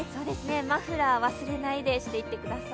マフラー、忘れないでしていってください。